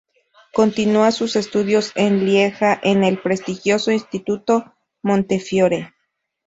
Continúa sus estudios en Lieja, en el prestigioso Instituto Montefiore.